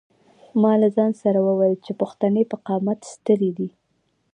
ما له ځان سره وویل چې پښتنې په قامت سترې دي.